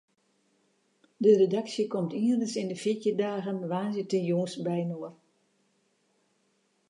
De redaksje komt ienris yn de fjirtjin dagen woansdeitejûns byinoar.